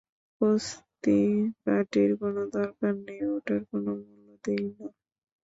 পুস্তিকাটির কোন দরকার নেই, ওটার কোন মূল্য দিই না।